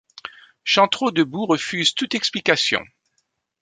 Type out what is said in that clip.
Chantereau debout refuse toute explication.